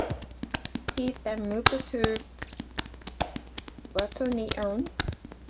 He then moved to Watsonians.